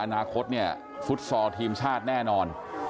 อนาคตเนี่ยฟุตซอลทีมชาติแน่นอน